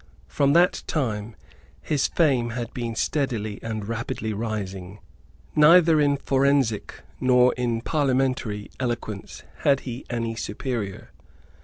From that time his fame had been steadily and rapidly rising. Neither in forensic nor in parliamentary eloquence had he any superior.